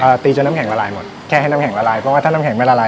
ตีจนน้ำแข็งละลายหมดแค่ให้น้ำแข็งละลายเพราะว่าถ้าน้ำแข็งไม่ละลาย